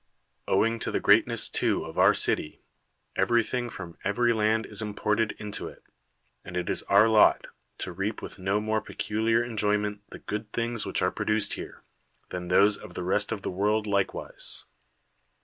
Owing to the greatness too 18 PERICLES of our city, everythinj2: from every land is im ported into it; and it is our lot to reap with no ■ nore peculiar enjoyment the good things which are produced here, than those of the rest of the world likewise.